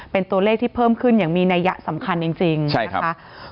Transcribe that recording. เป็นตัวเลขที่เพิ่มขึ้นอย่างมีนัยยะสำคัญจริงนะคะ